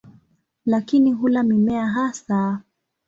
Lakini hula mimea hasa.